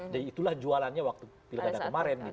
dan itulah jualannya waktu pilihan kemarin